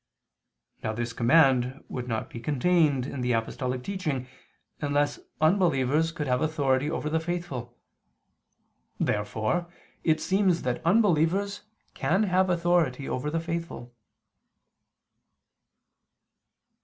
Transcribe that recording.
Now this command would not be contained in the apostolic teaching unless unbelievers could have authority over the faithful. Therefore it seems that unbelievers can have authority over the faithful.